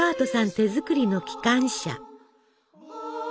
手作りの機関車。